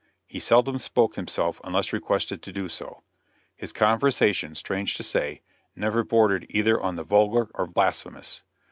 He seldom spoke himself unless requested to do so. His conversation, strange to say, never bordered either on the vulgar or blasphemous.